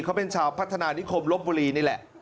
เขาเป็นชาวพัฒนานิคมลบบุรีนี่แหละ